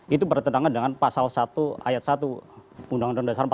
itu bertentangan dengan pasal satu ayat satu undang undang dasar seribu sembilan ratus empat puluh lima